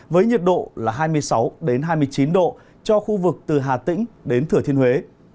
với nhiệt độ là hai mươi sáu hai mươi chín độ cho khu vực từ hà tĩnh đến thừa thiên huế